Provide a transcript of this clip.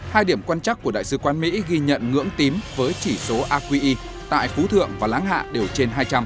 hai điểm quan trắc của đại sứ quán mỹ ghi nhận ngưỡng tím với chỉ số aqi tại phú thượng và láng hạ đều trên hai trăm linh